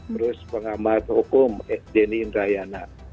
terus pengamat hukum denny indrayana